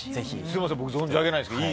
すみません僕、存じ上げないですけど。